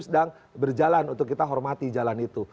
sedang berjalan untuk kita hormati jalan itu